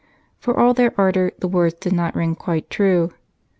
For all their ardor the words did not ring quite true.